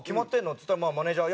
っつったらマネージャー